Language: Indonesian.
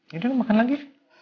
yaudah makan lagi